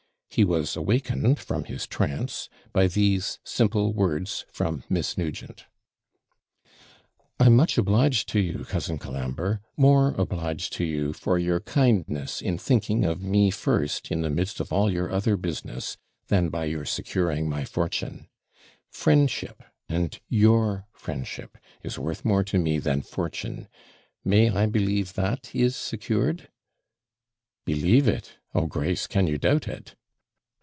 He was awakened from his trance by these simple words from Miss Nugent 'I'm much obliged to you, cousin Colambre more obliged to you for your kindness in thinking of me first, in the midst of all your other business, than by your securing my fortune. Friendship and your friendship is worth more to me than fortune. May I believe that is secured?' 'Believe it! Oh, Grace, can you doubt it?'